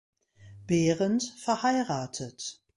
Behrendt verheiratet.